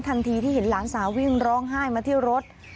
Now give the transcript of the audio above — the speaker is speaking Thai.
ทันทีที่เห็นหลานสาววิ่งร้องไห้มาที่รถ